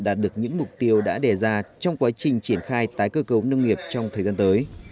đạt được những mục tiêu đã đề ra trong quá trình triển khai tái cơ cấu nông nghiệp trong thời gian tới